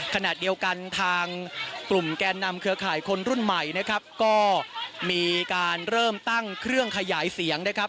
ขณะเดียวกันทางกลุ่มแกนนำเครือข่ายคนรุ่นใหม่นะครับก็มีการเริ่มตั้งเครื่องขยายเสียงนะครับ